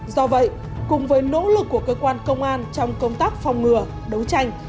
do vậy cùng với nỗ lực của cơ quan công an trong công tác phòng ngừa đấu tranh